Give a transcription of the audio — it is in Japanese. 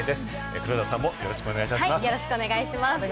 黒田さんもよろしくお願いいたします。